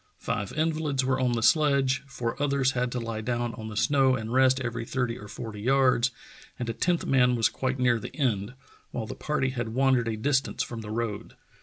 Five invalids were on the sledge, four others had to lie down on the snow and rest every thirty or forty yards, and a tenth man was quite near the end, while the party had wandered a distance from the road.